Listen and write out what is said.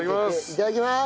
いただきます。